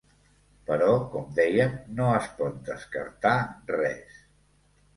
Però com dèiem, no es pot descartar res.